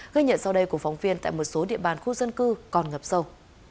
gây nhận sau đây của phóng viên tại một số địa bàn khu dân cư còn ngập sâu